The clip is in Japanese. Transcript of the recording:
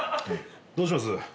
どうします？